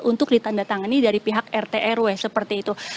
untuk ditandatangani dari pihak rt rw seperti itu